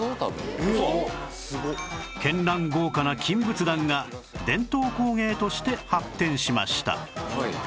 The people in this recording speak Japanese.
絢爛豪華な金仏壇が伝統工芸として発展しました